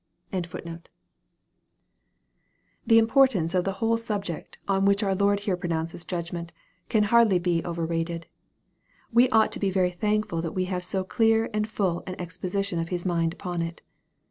MAEK, CHAP X. 199 The in. portance of the whole subject, on which our Lord here pronounces judgment, can hardly beoverrated. We ought to be very thankful that we have so clear and full an exposition of His mind upon it.